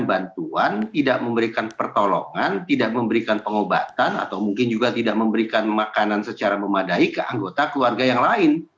bantuan tidak memberikan pertolongan tidak memberikan pengobatan atau mungkin juga tidak memberikan makanan secara memadai ke anggota keluarga yang lain